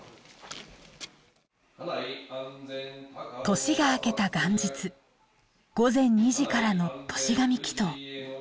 年が明けた元日午前２時からの年神祈祷。